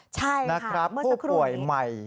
ใช่ค่ะเมื่อสักครู่นี้นะครับผู้ป่วยใหม่